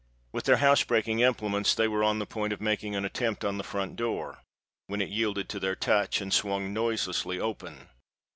With their housebreaking implements they were on the point of making an attempt on the front door; when it yielded to their touch, and swung noiselessly open.